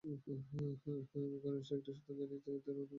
ঘনিষ্ঠ একটি সূত্র জানিয়েছে, অনেক দিন ধরেই তাঁরা একে অপরের ভালো বন্ধু।